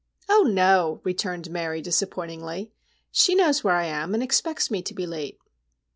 "Oh, no," returned Mary, disappointingly. "She knows where I am, and expects me to be late."